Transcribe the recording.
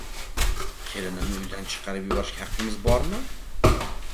“Kelinimni uydan chiqarib yuborishga haqqimiz bormi?”